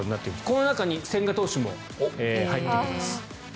この中に千賀投手も入っています。